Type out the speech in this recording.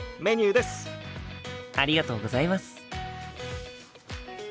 ありがとうございます。